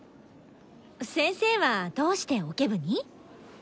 先生はどうしてオケ部に？